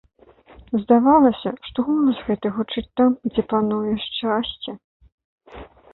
Здавалася, што голас гэты гучыць там, дзе пануе шчасце.